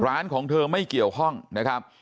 ของเธอไม่เกี่ยวข้องนะครับ